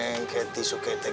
si neng cuket kek ketisuketek